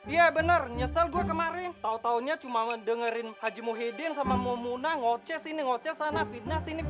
iya bener nyesel gua kemarin tau taunya cuma dengerin haji muhyiddin sama mumuna ngoceh sini ngoceh sana pidna sini